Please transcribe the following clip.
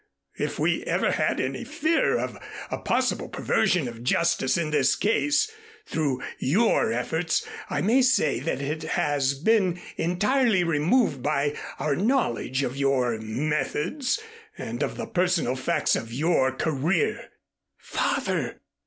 If we ever had any fear of a possible perversion of justice in this case, through your efforts, I may say that it has been entirely removed by our knowledge of your methods and of the personal facts of your career." "Father!"